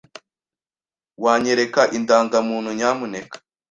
Wanyereka indangamuntu, nyamuneka?